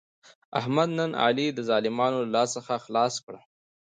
احمد نن علي د ظالمانو له لاس څخه خلاص کړ.